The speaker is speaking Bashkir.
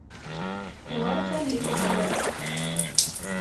Улар хәлле кешеләр